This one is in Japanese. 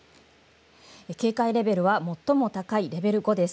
警戒レベルは最も高いレベル５です。